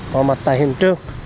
có mặt tại hình trường